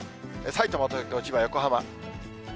さいたま、東京、千葉、横浜。